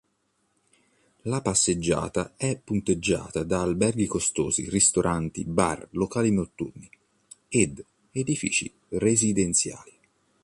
La passeggiata è punteggiata da alberghi costosi, ristoranti, bar, locali notturni ed edifici residenziali.